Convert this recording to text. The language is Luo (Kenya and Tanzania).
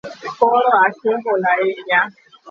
Koro ase ol hahinya .